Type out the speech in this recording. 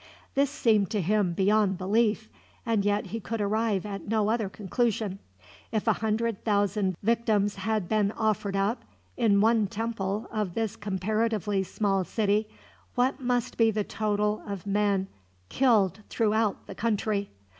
This seemed to him beyond belief, and yet he could arrive at no other conclusion. If a hundred thousand victims had been offered up, in one temple of this comparatively small city, what must be the total of men killed throughout the country?